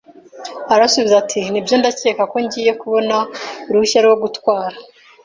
"Arabasubiza ati:" Nibyo, ndakeka ko ngiye kubona uruhushya rwo gutwara. "